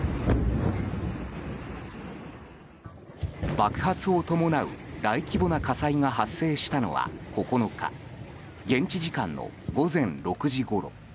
爆発を伴う大規模な火災が発生したのは９日、現地時間の午前６時ごろ。